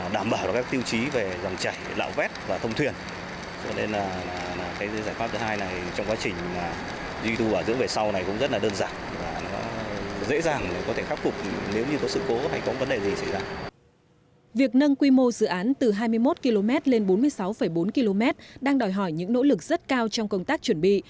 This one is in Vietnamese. dự án từ hai mươi một km lên bốn mươi sáu bốn km đang đòi hỏi những nỗ lực rất cao trong công tác chuẩn bị